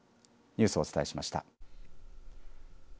ニュースをお伝えしました。